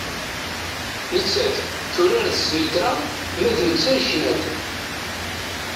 Nettat turar-d snitra, ma d netta yecna-d.